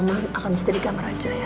akan bisa digamai aja ya